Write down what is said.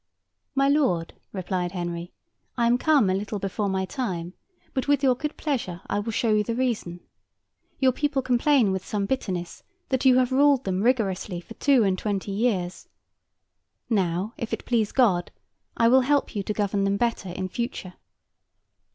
'My lord,' replied Henry, 'I am come a little before my time; but, with your good pleasure, I will show you the reason. Your people complain with some bitterness, that you have ruled them rigorously for two and twenty years. Now, if it please God, I will help you to govern them better in future.